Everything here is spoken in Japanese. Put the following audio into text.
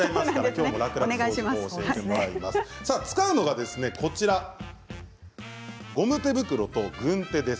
使うのはゴム手袋と軍手です。